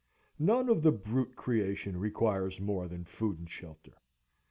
None of the brute creation requires more than Food and Shelter.